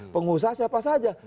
pengusaha siapa saja